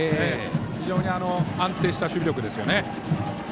非常に安定した守備力ですね。